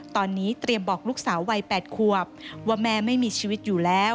ตอนนี้เตรียมบอกลูกสาววัย๘ขวบว่าแม่ไม่มีชีวิตอยู่แล้ว